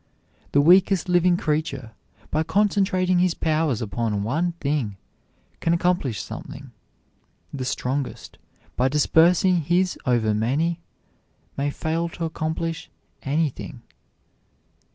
The weakest living creature, by concentrating his powers upon one thing, can accomplish something; the strongest, by dispersing his over many, may fail to accomplish anything.